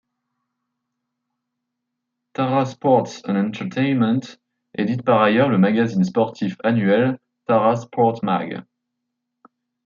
Tara Sports & Entertainment édite par ailleurs le magazine sportif annuel Tara Sport Mag.